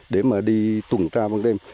để mà đi tuần tra bằng đêm